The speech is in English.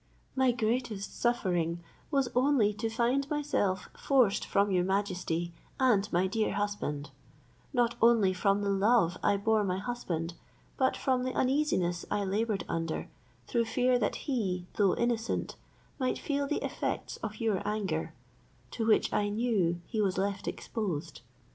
My greatest suffering was only to find myself forced from your majesty and my dear husband; not only from the love I bore my husband, but from the uneasiness I laboured under through fear that he, though innocent, might feel the effects of your anger, to which I knew he was left exposed.